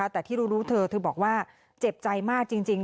แต่ที่รู้เธอเธอบอกว่าเจ็บใจมากจริง